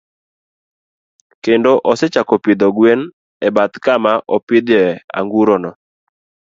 Kendo osechako pidho gwen e bath kama opidhoe anguro no.